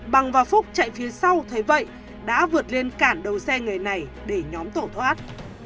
bằng và phúc chạy phía sau thấy vậy đã vượt lên cản đầu xe người này để nhóm tổ thoát